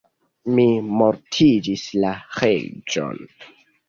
Mi mortigis la reĝon.